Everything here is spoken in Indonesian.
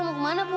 aku mau kemana bu